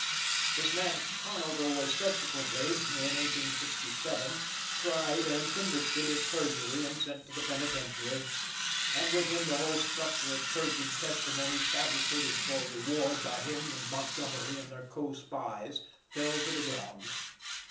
This man Conover was subsequently (in 1867) tried and convicted of perjury and sent to the penitentiary; and with him the whole structure of perjured testimony, fabricated for reward by him and Montgomery and their co spies, fell to the ground.